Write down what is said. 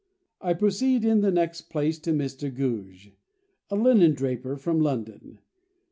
"I proceed in the next place to Mr. Gouge, a linen draper from London.